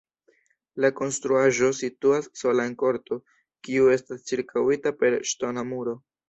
La konstruaĵo situas sola en korto, kiu estas ĉirkaŭita per ŝtona muro.